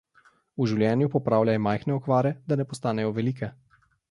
V življenju popravljaj majhne okvare, da ne postanejo velike.